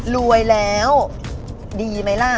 รวยแล้วดีไหมล่ะ